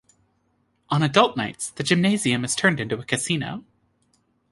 On adult nights, the gymnasium is turned into a casino.